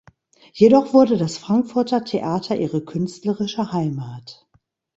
Jedoch wurde das Frankfurter Theater ihre künstlerische Heimat.